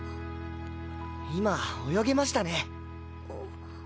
今泳げましたね。